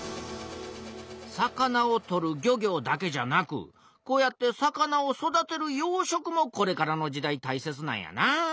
魚を取る漁業だけじゃなくこうやって魚を育てる養殖もこれからの時代たいせつなんやなあ。